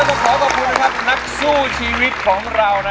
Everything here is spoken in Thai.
สองแสนบาท